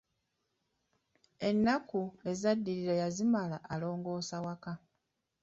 Ennaku ezaddirira yazimala alongoosa waka.